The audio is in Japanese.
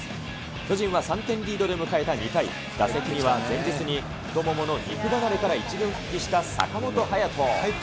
巨人は３点リードで迎えた２回、打席には、前日に太ももの肉離れから１軍復帰した坂本勇人。